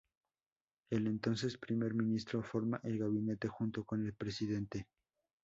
El entonces Primer Ministro forma el Gabinete, junto con el Presidente.